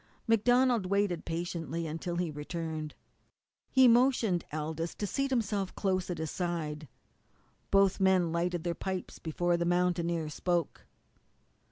MacDonald waited patiently until he returned. He motioned Aldous to seat himself close at his side. Both men lighted their pipes before the mountaineer spoke.